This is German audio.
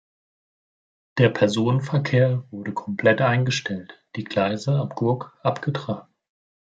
Der Personenverkehr wurde komplett eingestellt, die Gleise ab Gurk abgetragen.